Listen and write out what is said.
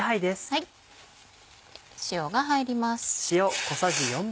塩が入ります。